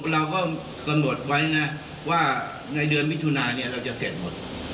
เราก็กำหนดไว้นะว่าในเดือนมิถุนาเนี่ยเราจะเสร็จหมด